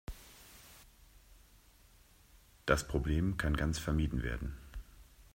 Das Problem kann ganz vermieden werden.